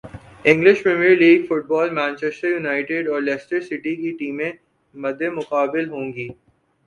English Premier League football Manchester United اور Leicester City کی ٹیمیں مدمقابل ہونگی